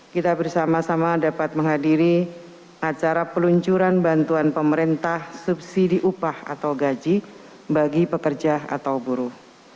kita bersama sama dapat menghadiri acara peluncuran bantuan pemerintah subsidi upah atau gaji bagi pekerja atau buruh